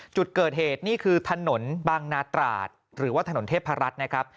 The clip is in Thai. จุดเกิดเหตุนี่คือถนนบางนาตราดหรือว่าถนนเทพรัฐนะครับ